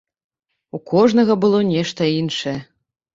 У кожнага было нешта іншае.